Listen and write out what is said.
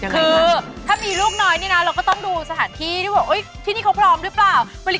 คือถ้ามีลูกน้อยนี่นะเราก็ต้องดูสถานที่ที่บอกที่นี่เขาพร้อมหรือเปล่า